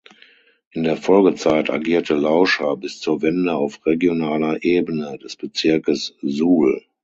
In der Folgezeit agierte Lauscha bis zur Wende auf regionaler Ebene des Bezirkes Suhl.